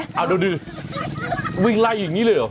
เอาดูดิวิ่งไล่อย่างนี้เลยเหรอ